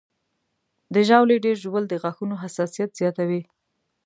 د ژاولې ډېر ژوول د غاښونو حساسیت زیاتوي.